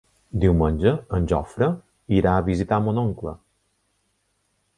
Diumenge en Jofre irà a visitar mon oncle.